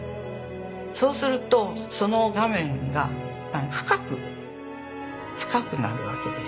そうするとその画面が深く深くなるわけですよね。